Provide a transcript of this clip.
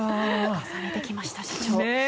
重ねてきました。